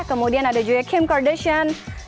kemudian ada juga kim kardashion